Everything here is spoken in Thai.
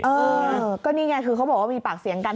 เออก็นี่ไงคือเขาบอกว่ามีปากเสียงกัน